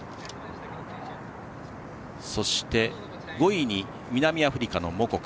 そして、５位に南アフリカのモコカ。